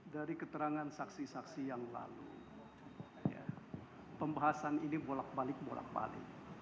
dari keterangan saksi saksi yang lalu pembahasan ini bolak balik bolak balik